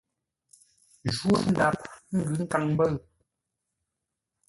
Jwó ndap ə́ ngʉ́ nkaŋ-mbə̂ʉ.